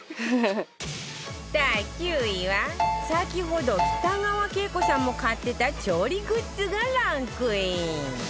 第９位は先ほど北川景子さんも買ってた調理グッズがランクイン